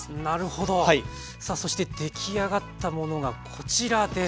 さあそして出来上がったものがこちらです。